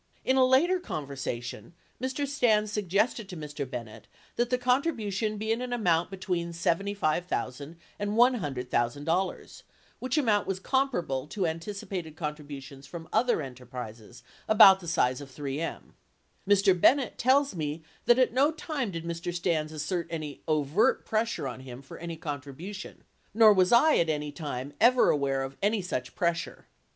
In a later conversation Mr. Stans suggested to Mr. Bennett that the contribution be in an amount between $75,000 and $100,000, which amount was comparable to anticipated contributions from other enterprises about the size of 3M. Mr. Bennett tells me that at no time did Mr. Stans assert any overt pressure on him for any contribution nor was I at any time ever aware of any such pressure.